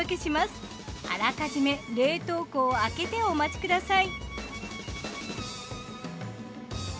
あらかじめ冷凍庫を空けてお待ちください。